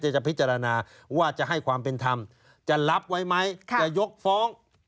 จะพิจารณาว่าจะให้ความเป็นธรรมจะรับไว้ไหมจะยกฟ้อง